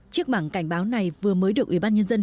chiếc bảng cảnh báo này vừa mới được ủy ban nhân dân